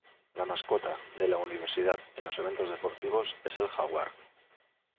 La mascota de la universidad en los eventos deportivos es el jaguar.